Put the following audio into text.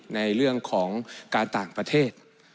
และประเทศไทยกลับมาแล้วที่จะมีบทบาทที่ดี